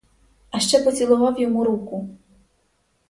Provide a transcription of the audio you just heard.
А ще поцілував йому руку!